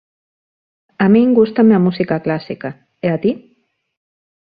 A min gústame a música clásica, e a ti?